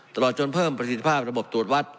ตลอดจนเพิ่มประสิทธิภาพระบบตรวจวัด